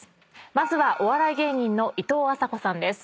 まずはお笑い芸人のいとうあさこさんです。